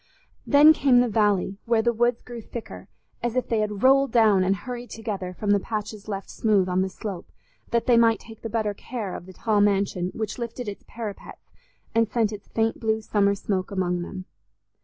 Then came the valley, where the woods grew thicker, as if they had rolled down and hurried together from the patches left smooth on the slope, that they might take the better care of the tall mansion which lifted its parapets and sent its faint blue summer smoke among them.